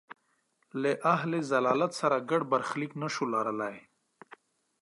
له اهل ضلالت سره ګډ برخلیک نه شو لرلای.